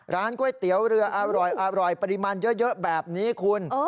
ร้านก๋วยเตี๋ยวเรืออร่อยปริมาณเยอะแบบนี้คุณ